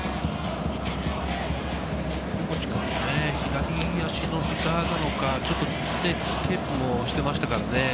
左足のひざなのか、ちょっとねテープをしていましたからね。